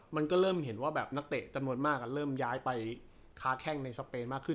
มันก็เริ่มเห็นว่าแบบนักเตะจำนวนมากเริ่มย้ายไปค้าแข้งในสเปนมากขึ้น